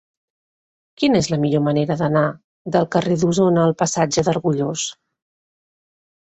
Quina és la millor manera d'anar del carrer d'Osona al passatge d'Argullós?